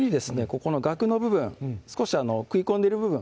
ここのがくの部分少し食い込んでいる部分